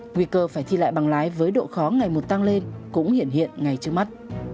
nguy cơ phải thi lại bằng lái với độ khó ngày một tăng lên cũng hiện hiện ngày trước mắt